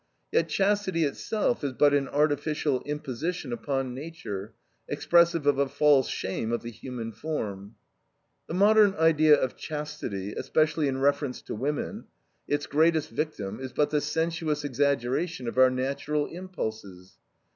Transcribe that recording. Yet chastity itself is but an artificial imposition upon nature, expressive of a false shame of the human form. The modern idea of chastity, especially in reference to woman, its greatest victim, is but the sensuous exaggeration of our natural impulses.